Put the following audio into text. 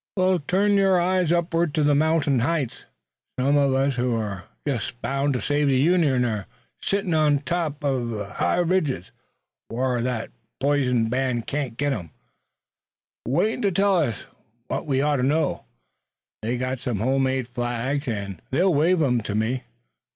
"We'll turn our eyes upward, to the mounting heights. Some uv us who are jest bound to save the Union are settin' up on top uv high ridges, whar that p'ison band can't go, waitin' to tell us whar we ought to go. They've got some home made flags, an' they'll wave 'em to me."